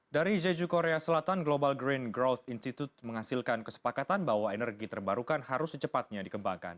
dari jeju korea selatan global green growth institute menghasilkan kesepakatan bahwa energi terbarukan harus secepatnya dikembangkan